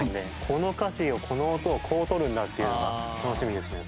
この歌詞をこの音をこう取るんだ！っていうのが楽しみですね